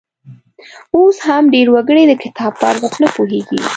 اوس هم ډېر وګړي د کتاب په ارزښت نه پوهیږي.